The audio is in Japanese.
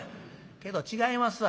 けど違いますわ。